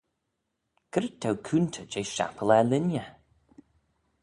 C'red t'ou coontey jeh shappal er-linney?